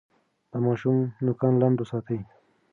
د ماشوم نوکان لنډ وساتئ.